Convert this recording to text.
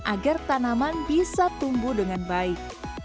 agar tanaman bisa tumbuh dengan baik